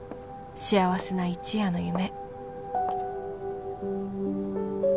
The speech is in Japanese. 幸せな一夜の夢